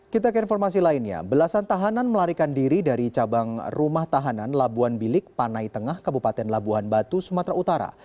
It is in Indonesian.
kita ke informasi lainnya belasan tahanan melarikan diri dari cabang rumah tahanan labuan bilik panai tengah kabupaten labuhan batu sumatera utara